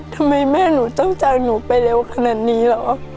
ทำไมแม่หนูต้องจากหนูไปเร็วขนาดนี้เหรอ